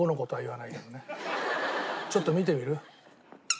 ちょっと見てみる？